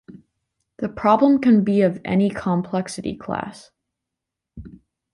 The problem can be of any complexity class.